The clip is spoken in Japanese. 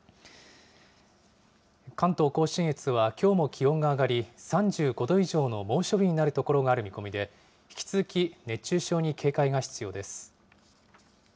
関東甲信越はきょうも気温が上がり、３５度以上の猛暑日になる所がある見込みで、引き続き熱中症に警戒が必要です。